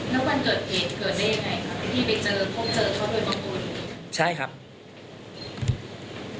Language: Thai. แล้ววันเกิดเหตุเกิดได้ยังไงครับที่ไปเจอเขาเจอเขาด้วยบังคุณ